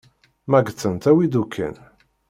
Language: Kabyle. Ma ggtent awi-d ukan.